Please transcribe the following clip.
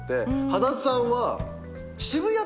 羽田さんは。